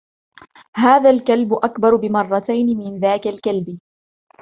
هذا الكلب أكبر بمرتين من ذاك الكلب.